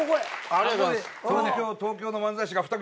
ありがとうございます。